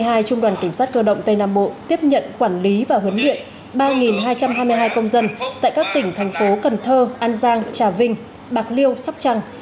trung đoàn cảnh sát cơ động tây nam bộ tiếp nhận quản lý và huấn luyện ba hai trăm hai mươi hai công dân tại các tỉnh thành phố cần thơ an giang trà vinh bạc liêu sắp trăng